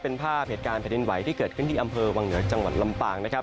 เป็นภาพเหตุการณ์แผ่นดินไหวที่เกิดขึ้นที่อำเภอวังเหนือจังหวัดลำปางนะครับ